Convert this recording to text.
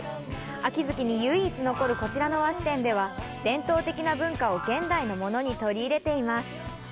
秋月に唯一残るこちらの和紙店では伝統的な文化を現代のものに取り入れています